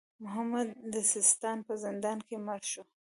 محمد د سیستان په زندان کې مړ شو.